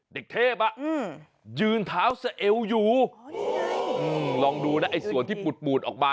เด็กเทพอยืนเท้าสะเอวอยู่ลองดูนะไอ้ส่วนที่ปูดออกมา